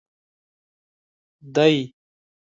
دی.